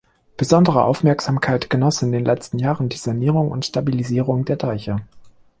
Besondere Aufmerksamkeit genoss in den letzten Jahren die Sanierung und Stabilisierung der Deiche.